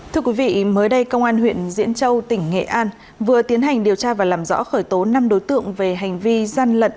thưa quý vị mới đây công an huyện diễn châu tỉnh nghệ an vừa tiến hành điều tra và làm rõ khởi tố năm đối tượng về hành vi gian lận